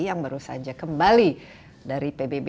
yang baru saja kembali dari pbb